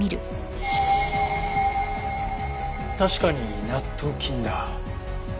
確かに納豆菌だ。